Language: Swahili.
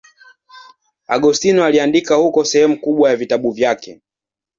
Agostino aliandika huko sehemu kubwa ya vitabu vyake.